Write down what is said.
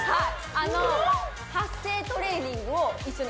あの発声トレーニングを一緒に。